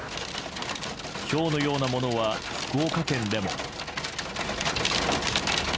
ひょうのようなものは福岡県でも。